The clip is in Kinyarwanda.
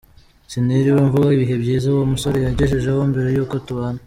Siniriwe mvuga ibihe byiza uwo musore yangejejeho mbere y’uko tubana.